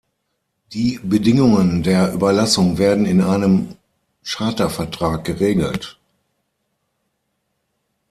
Die Bedingungen der Überlassung werden in einem "Chartervertrag" geregelt.